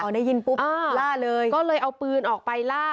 ได้ยินปุ๊บล่าเลยก็เลยเอาปืนออกไปล่า